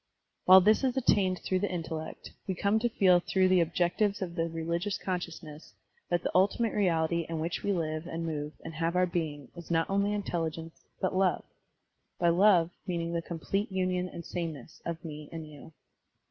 While this is attained through the intellect, we come to feel through the objectives of the reli gious consciousness that the ultimate reality in , which we live and move and have our being is not only intelligence but love — ^by love meaning the complete tmion and sameness of me and you.